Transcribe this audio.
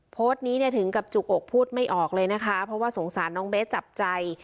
โพสต์นี้เนี่ยถึงกับจุกอกพูดไม่ออกเลยนะคะเพราะว่าสงสารน้องเบสจับใจ